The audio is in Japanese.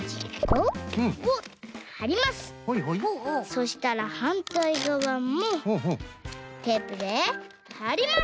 そしたらはんたいがわもテープではります。